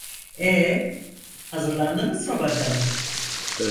E…? Hazırlandınız mı bakalım?"